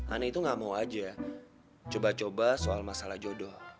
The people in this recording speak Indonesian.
aneh itu gak mau aja coba coba soal masalah jodoh